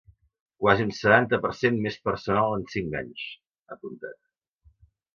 “Quasi un setanta per cent més personal en cinc anys”, ha apuntat.